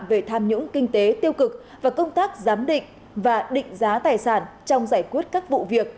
về tham nhũng kinh tế tiêu cực và công tác giám định và định giá tài sản trong giải quyết các vụ việc